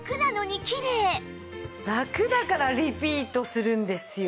ラクだからリピートするんですよ。